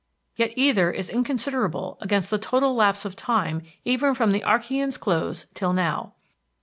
Yet either is inconsiderable against the total lapse of time even from the Archean's close till now.